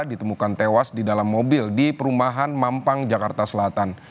ditemukan tewas di dalam mobil di perumahan mampang jakarta selatan